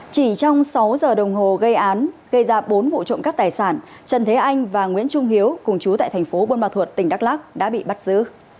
chỉ trong sáu giờ đồng hồ gây án gây ra bốn vụ trộm cắp tài sản trần thế anh và nguyễn trung hiếu cùng chú tại thành phố buôn ma thuột tỉnh đắk lắc đã bị bắt giữ